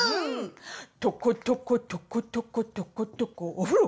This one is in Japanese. とことことことことことこお風呂！